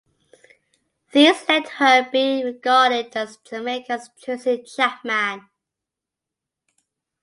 These led to her being regarded as Jamaica's Tracy Chapman.